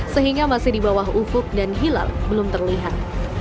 sehingga masih di bawah ufuk dan hilal belum terlihat